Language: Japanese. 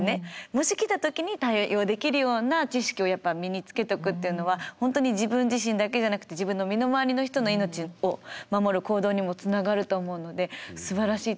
もし来た時に対応できるような知識をやっぱ身につけとくっていうのは本当に自分自身だけじゃなくて自分の身の回りの人の命を守る行動にもつながると思うのですばらしい取り組みだなと思いました。